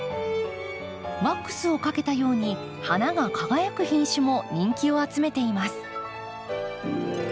ワックスをかけたように花が輝く品種も人気を集めています。